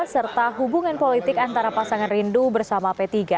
serta hubungan politik antara pasangan rindu bersama p tiga